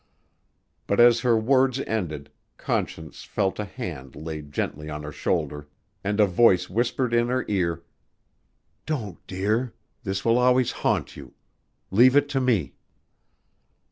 But as her words ended Conscience felt a hand laid gently on her shoulder, and a voice whispered in her ear, "Don't, dear; this will always haunt you. Leave it to me."